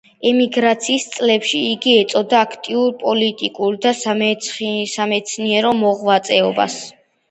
ემიგრაციის წლებში იგი ეწეოდა აქტიურ პოლიტიკურ და სამეცნიერო მოღვაწეობას.